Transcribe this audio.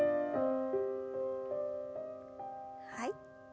はい。